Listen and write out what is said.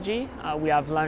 kita memiliki pelan pelan